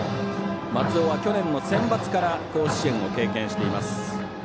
松尾は去年のセンバツから甲子園を経験しています。